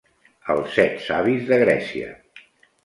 Els set savis de Grècia.